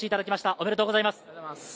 おめでとうございます。